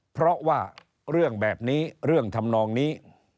เพราะว่าเรื่องแบบนี้เรื่องทำนองนี้